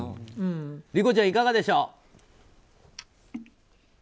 理子ちゃん、いかがでしょう。